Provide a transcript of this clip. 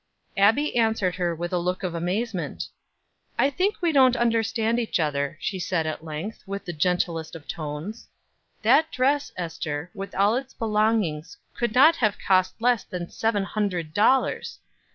Abbie answered her with a look of amazement. "I think we don't understand each other," she said at length, with the gentlest of tones. "That dress, Ester, with all its belongings could not have cost less than seven hundred dollars.